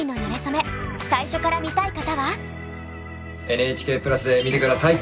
ＮＨＫプラスで見て下さい！